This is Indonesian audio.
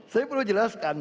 saya perlu jelaskan